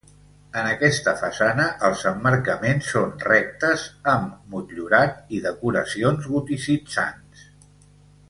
En aquesta façana els emmarcaments són rectes amb motllurat i decoracions goticitzants.